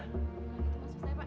tak gitu mas